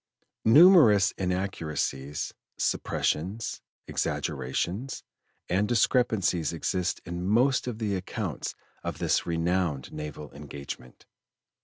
Numerous inaccuracies, suppressions, exaggerations, and discrepancies exist in most of the accounts of this renowned naval engagement.